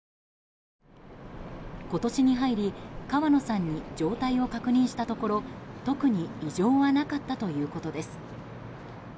今年に入り、川野さんに状態を確認したところ特に異常はなかったということです。